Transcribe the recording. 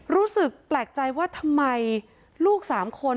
รู้สึกแปลกใจว่าทำไมลูก๓คน